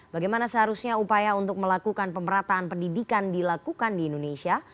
bagaimana seharusnya upaya untuk melakukan pemerataan pendidikan dilakukan di indonesia